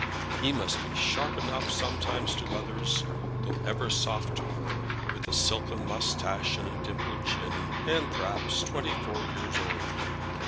He must be sharp enough sometimes to others, though ever soft to her, with a silken moustache and a dimpled chin, and perhaps twenty four years old.